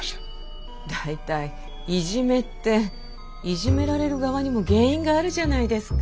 大体いじめっていじめられる側にも原因があるじゃないですか。